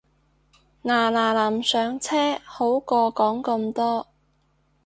嗱嗱臨上車好過講咁多